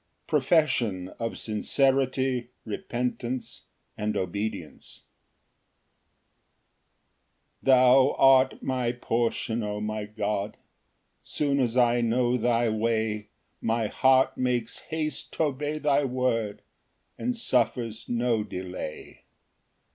Profession: of sincerity, repentance, and obedience. Ver. 57 60. 1 Thou art my portion, O my God; Soon as I know thy way, My heart makes haste t' obey thy word, And suffers no delay.